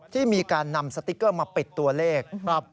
ที่มีการนำสติ๊กเกอร์มาปิดตัวเลข